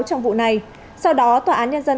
trong vụ này sau đó tòa án nhân dân